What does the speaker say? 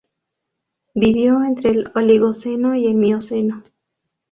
Vivió entre el Oligoceno y el Mioceno.